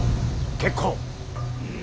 結構。